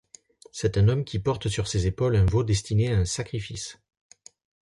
C'est un homme qui porte sur ses épaules un veau destiné à un sacrifice.